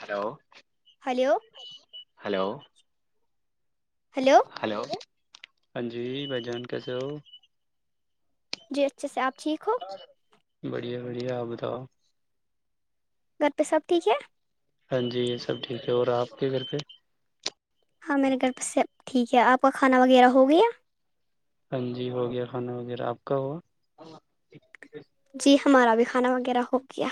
Hello hello hello hello ہاں جی بھائی جان کیسے ہو جی اچھے سے آپ ٹھیک ہو بڑھیا بڑھیا آ بتاؤ گھر پہ سب ٹھیک ہے ہاں جی یہ سب ٹھیک ہے اور آپ کے گھر پہ ہاں میرے گھر پ سےب ٹھیک ہے آپ کا کھانا وغیرہ ہو گیا ہان جی ہو گیا کھانا وغیرہ آپ کا ہوا جی ہمارا بھی کھانا وغیرہ ہو گیا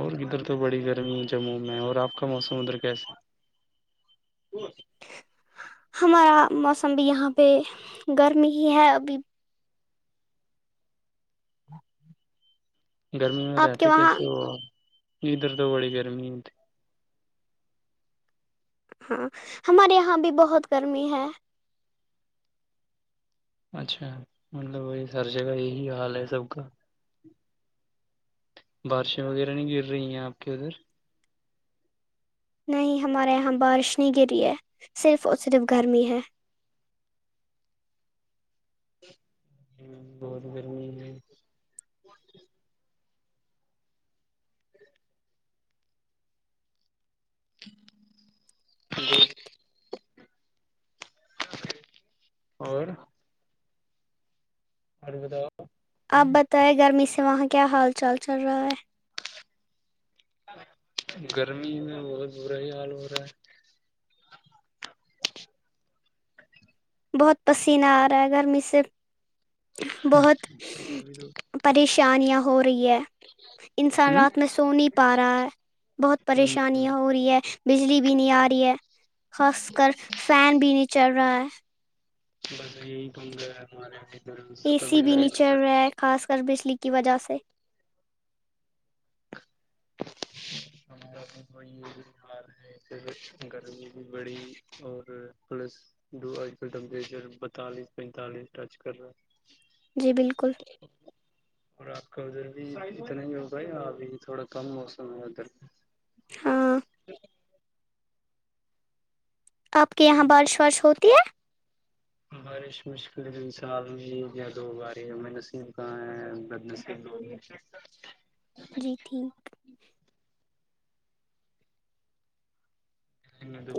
اور ادھر تو بڑی گرمی ہے جموں میں اور آپ کا موسم ادھر کیسے ہو ہمارا موسم بھی یہاں پہ گرمی ہی ہے ابھی گرمی میں آپ کے رہتے وہاں کیسے وہ ادھر تو بڑی گرمی ہوتی ہاں ہمارے یہاں بھی بہت گرمی ہے اچھا مطلب یہ ہر جگہ یہی حال ہے سب کا بارشیں وغیرہ نہیں گر رہی ہیں آپ کے ادھر نہیں ہمارے یہاں بارش نہیں گری ہے صرف اور صرف گرمی ہے بہت گرمی ہے ع و جی اور ا بتاؤ آپ بتائیں گرمی سے وہاں کیا حال چال چل رہا ہے گرمی میں بہت برا ہی حال ہو رہا ہے بہت پسینہ آ رہا ہے گرمی سے بہت ہے گرمی تو پریشانیاں ہو رہی ہے انسان رات میں سو نہیں پا رہا ہے بہت ہوں پریشانییاں ہو رہی ہے بجلی بھی نہیں آ رہی ہے خاص کر فین بھی نہیں چل رہا ہے بس یہی توم گ ہمارے ادھر اے سی کبھی بھی لائٹ نیچل کٹ رہا ہے خاص کر بجلی کی وجہ سے سمھا اپنے کوئی [unintelligible] آ رہے وقت گرمی بھی بڑی اور پلس [unintelligible] آج کل ٹیمپریچر بتالیس پینتالیس ٹچ کر رہا [unintelligible] جی بالکل اور آپ کا ادھر بھی اتنا ہی ہوگایا ابھی تھوڑا کم موسم ہے ادھر [unintelligible] ہاں ج [unintelligible] آپ کے یہاں بارش وارش ہوتی ہے بارش مشکل ت سال میں یا دو بار ہمیں نصیب کہاں ہے بدنسییب ہوی [unintelligible] [inaudible] [inaudible] جی ٹھیک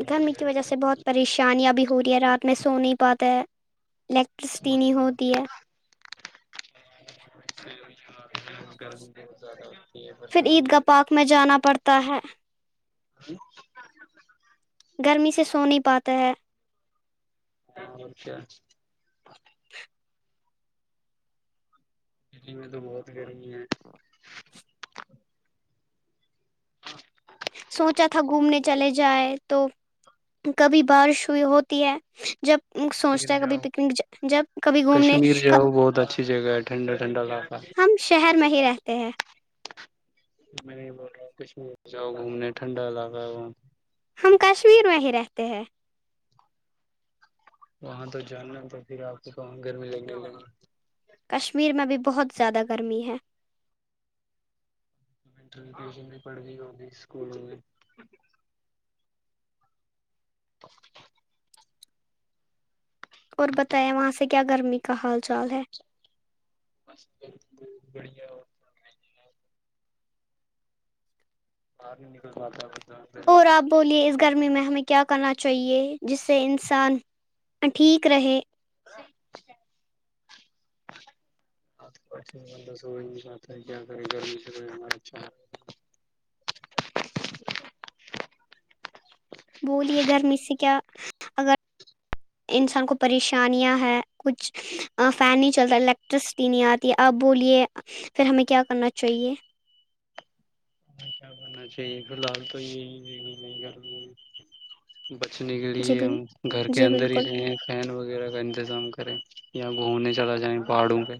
گرمی کی وجہ سے بہت پریشانیاں بھی ہو رہی ہے رات میں سو نہیں پاتا ہے ل پسٹین ہوتی ہے گرمی بت زیادہ [unintelligible] پھر عید پریشانی گاہ پارک ہوتی میں جانا پڑتا ہے [inaudible] ہ گرمی سے سو نہیں پاتا ہے اچھا دلی میں تو بہت گرمی ہے سوچا تھا گھومنے چلے جائے تو کبھی بارش ہوئی ہوتی ہے جب کشمیر سوچتا ہے کبھی جاؤ پکنک جب کبھی گھومنے کشمیر کا جاؤ بہت اچھی جگہ ہے ٹھنڈا ٹھنڈا علاقہ ہے۔ ہم شہر میں ہی رہتے ہیں میں نہیں بول رہاوں کشمیر جاؤ گھومنے ٹھنڈا علاقہ ہے وہاں [unintelligible] ہم کشمیر وہ ہی رہتے ہیں وہاں تو جانا تو پھر آپ کو کہاں گرمی لیں گے [unintelligible] کشمیر میں بھی بہت زیادہ گرمی ہے تو میںٹھی ٹیوشن بھی پڑھئی ہوگی اسکول ہوگی تو [inaudible] اور بتائیا وہاں سے کیا گرمی کا حال چال ہے بس ب بہت بڑھیا اور [unintelligible] باہر نہیں نکل ساتتا [unintelligible] اور آپ بولیے اس گرمی میں ہمیں کیا کرنا چاہیے جس سے انسان ٹھیک رہے سحی [unintelligible] ہاں پچ بسات ہے کیا کر گرمی توا رہ [unintelligible] بولیے گھر میں سے کیا اگر انسان کو پریشانیاں ہیں کچھ فین نہیں چلتا الیکٹرسٹی نہیں آتی آپ بولیے پھر ہمیں کیا کرنا چاہیے کیا کرنا چاہیے فی الحال تو یہی نہیں کر [unintelligible] بچنے کے جی لیے ہم بال گھر کے جی اندر بالکل ہی رہے ہیں فین وغیرہ کا انتظام کریں یا گھومنے چلا جائیں پہاڑوں پہ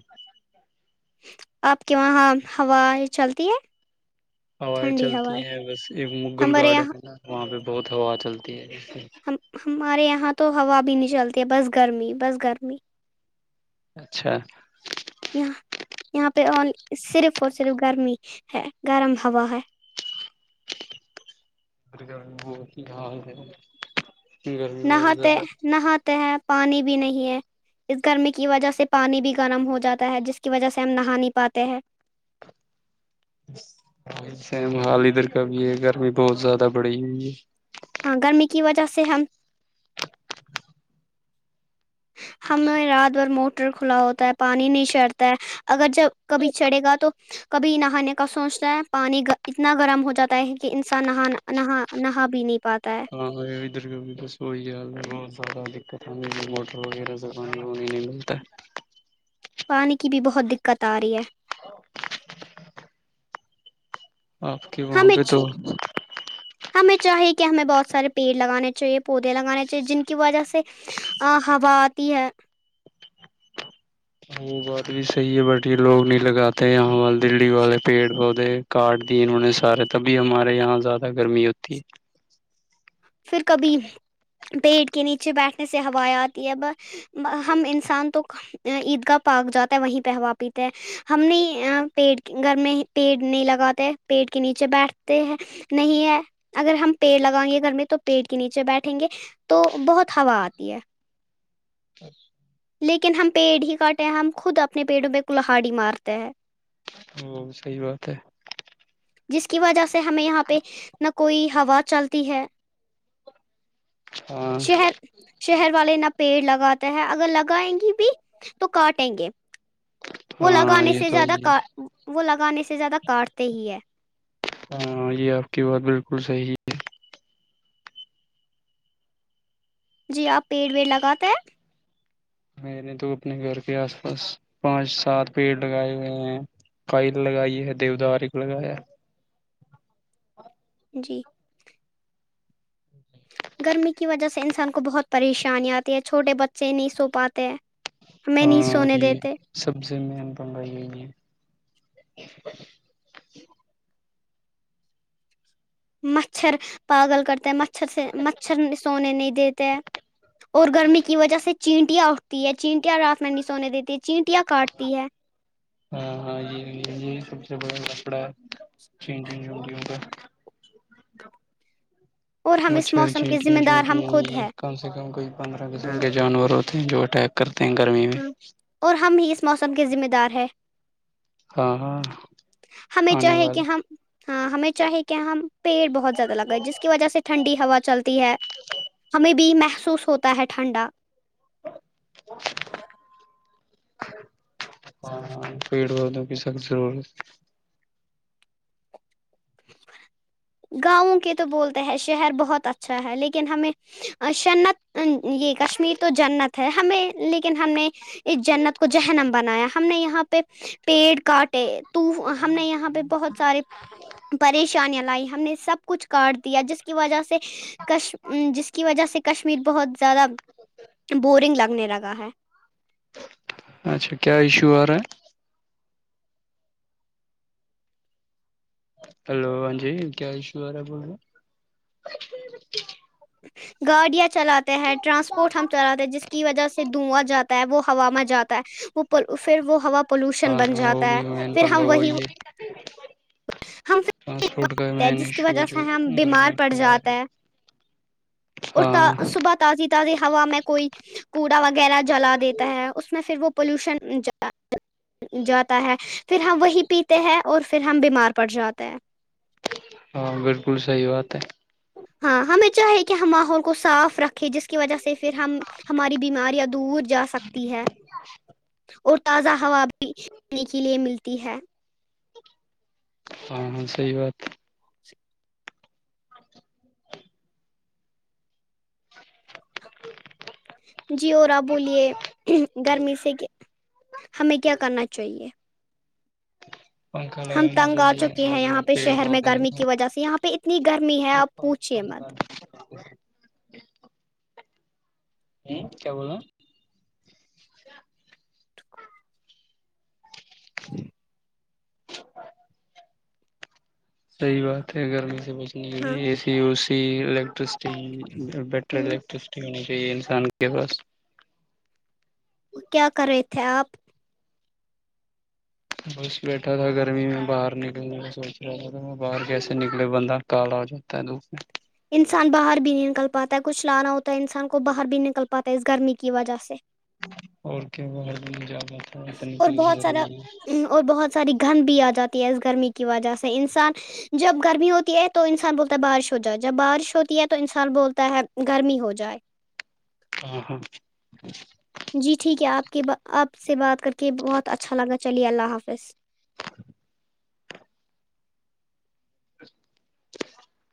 آپ کے وہاں ہوا چلتی ہے ہوائیں ٹھنڈی چلتی ہوائیں ہیں بس ایک مغل ہمارے گارڈن یہاں ہے نا وہاں پہ بہت ہوا چلتی ہے ج ہم ہمارے یہاں تو ہوا بھی نہیں چلتی بس گرمی بس گرمی اچھا یہاں یہاں پہ صرف اور صرف گرمی ہے گرم ہوا ہے گرمی بہت ہی حال ہے گرمی بڑی نہاتے زیادہ نہاتے ہیں پانی بھی نہیں ہے اس گرمی کی وجہ سے پانی بھی گرم ہو جاتا ہے جس کی وجہ سے ہم نہا نہیں پاتے ہیں وسے محال ادھر کا بھی یہ گرمی بہت زیادہ بڑی ہوئی ہے ہاں گرمی کی وجہ سے ہم ہمیں رات بھر موٹر کھلا ہوتا ہے پانی نہیں چڑتا ہے اگر جب کبھی چڑھے گا تو کبھی نہانے کا سوچتا ہے پانی اتنا گرم ہو جاتا ہے کہ انسان نہانا نہا نہا بھی نہیں پاتا ہے ہاں ادھر کا بس بہت زیادہ دقت موٹر وغیرہ سے پانی وانی نہیں ملتا پانی کی بھی بہت دقت آ ر رہی ہے آپ کے وہاں ہمیں پہ تو ہمیں چاہیے کہ ہمیں بہت سارے پیڑ لگانے چاہیے پودے لگانے چاہیے جن کی وجہ سے آ ہا آتی ہے وہ بات بھی صحی ہے بٹ یہ لوگ نہیں لگاتے یہاں وال دلی والے پیڑ پودے کاٹ دی انہوں نے سارے تبھی ہمارے یہاں زیادہ گرمی ہوتی ہے پھر کبھی پیٹ کے نیچے بیٹھنے سے ہوائیں آتی ہے ب ہم انسان تو عیدگاہ پاک جاتا ہے وہیں پہوا پیتے ہیں ہم نہیں پیڑ گھر میں پیڑ نہیں لگاتے پیڑ کے نیچے بیٹھتے ہیں نہیں ہے اگر ہم پیڑ لگائیں گے گھر میں تو پیٹ کے نیچے بیٹھیں گے تو بہت ہوا آتی ہے لیکن ہم پیڑ ہی کاٹے ہیں ہم خود اپنے پیڑوں پ کلہہاڑی مارتے ہیں ہ صحیح بات ہے جس کی وجہ سے ہمیں یہاں پہ نہ کوئی ہوا چلتی ہے ہاں شہر شہر والے نہ پیڑ لگاتے ہے اگر لگائیں گی بھی تو کاٹیں گے وہ ہاں لگانے یہ سے تو زیادہ کا وہ لگانے سے زیادہ کاٹتے ہی ہے ہاں یہ آپ کی بات بالکل صحیح جی آپ پیڑ ویڑ لگاتا ہے میں نے تو اپنے گھر کے آس پاس پانچ سات پیڑ لگائے ہوئے ہیں فائل لگائی ہے دیوودارک لگایا ہاں ہیں جی ج جی گرمی کی وجہ سے انسان کو بہت پریشانی آتی ہے چھوٹے بچے نہیں سو پاتے ہمیں نہیں ہاں سونے یہ دیتے سبزی میںین بنگائی ہیں مچھر پاگل کرتے ہیں مچھر مچھر سے مچھر سونے نہیں دیتے ہیں اور گرمی کی وجہ سے چینٹیاں تی ہے چینٹیا راف مڈی سونے دیتی ہے چینٹیاں کاٹتی ہے ہاں ہاں جی سب سے بڑا کپڑا ہے چینج ہوگی ہوگا اور ہم اس مچھر موسم کے چینٹی ذمہ دار چٹی ہم خود ہے کم سے کم کوئی پندرہ قسم ہاں کے جانور ہوتے جو اٹیک کرتے ہیں گرمی میں ہاں اور ہم ہی اس موسم کے ذمہ دار ہیں ہاں ہاں ہمیں آنے چاہے کہ والے ہم ہاں ہمیں چاہیے کہ ہم پیڑ بہت زیادہ لگا جس کی وجہ سے ٹھنڈی ہوا چلتی ہے ہمیں بھی محسوس ہوتا ہے ٹھنڈا اوک ہاں پڑ ب دک سکرور [inaudible] گاؤں کے تو بولتے ہے شہر بہت اچھا ہے لیکن ہمیں صنعت یہ کشمیر تو جنت ہے ہمیں لیکن ہم نے اس جنت کو جہنم بنایا ہم نے یہاں پہ پیڑ کاٹ تو ہم نے یہاں پہ بہت سارے پریشانیاں لائی ہم نے سب کچھ کاٹ دیا جس کی وجہ سے کش جس کی وجہ سے کشمیر بہت زیادہ بورنگ لگنے لگا ہے اچھا کیا ایشو آ رہا ہے ہلو ہاں جی کیا اییشوا بول رہے گاڑیاں چلاتے ہیں ٹرانسپورٹ ہم چلاتے ہیں جس کی وجہ سے دواں جاتا ہے وہ ہوا میں جاتا ہے وہ پھر وہ ہوا پولوشن ہاں بن ہاں وہ جاتا ہے بھی مین پھر پنگا ہم وہی ہے ہم ٹرانسپورٹ کا ہیں مین جس کی ایشو ہے وجہ جو سے ہم بیمار گرمی پڑ پھیلا جاتا رہی ہے اور ت ہاں صبح تازی تازی ہا میں کوئی کوڑا وغیرہ جلا دیتا ہے اس میں پھر وہ پولوشن جاتا ہے پھر ہم وہی پیتے ہیں اور پھر ہم بیمار پڑ جاتے ہیں ہاں بالکل صحیح بات ہے ہاں ہمیں چاہیے کہ ہم ماحول کو صاف رکھ کہ جس کی وجہ سے پھر ہم ہماری بیماریاں دور جا سکتی ہے اور تازہ ہوا بھینے کے لیے ملتی ہے ہاںاں صحی بات ہے [inaudible] سک [inaudible] جی اور آپ بولیے گرمی سے ہمیں کیا کرنا چاہیے [unintelligible] پنکال ہم ج تنگ آ چکے ہیں اور یہاں پہ پیڑ ب شہر میں اورم گرمی کی وجہ سے یہاں پہ اتنی گرمی ہے آپ پوچھیے مت [unintelligible] ہ کیا بول رہے ہیں [unintelligible] جی [inaudible] صحی بات ہے گرمی سے بچنے ہاں لیے کہ اسی الیکٹرسٹی بیٹر الیکٹرسٹی ہونی چاہیے انسان کے پاس کیا کر رہے تھے آپ گش بیٹھا تھا گرمی میں باہر نکلنے کا سوچ رہا تھا میں باہر کیسے نکلے بندہ کالا ہو جاتا تعلق [unintelligible] انسان باہر بھی نہیں نکل پاتا ہے کچھ لانا ہوتا ہے انسان کو باہر بھی نہیں نکل پاتا ہے اس گرمی کی وجہ سے اور کیا باہر بھی نہیں جا پاتا اور اتنی بہت سارا ضرور ہے [unintelligible] اور بہت ساری گند بھی آ جاتی ہے اس گرمی کی وجہ سے انسان جب گرمی ہوتی ہے تو انسان بولتا ہے بارش ہو جائے جب بارش ہوتی ہے تو انسان بولتا ہے گرمی ہو جائے ہ ہاں جی ٹھیک ہے آپ کے آپ سے بات کر کے بہت اچھا لگا چلیے اللہ حافظ [inaudible] [unintelligible]